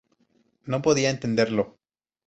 No podía entenderlo.